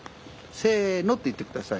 「せの」って言って下さい。